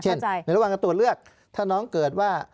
ในระหว่างการตรวจเลือกถ้าน้องเกิดว่า